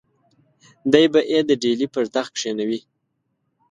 دی به یې د ډهلي پر تخت کښېنوي.